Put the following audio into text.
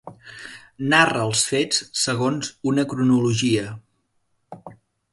Narra els fets segons una cronologia.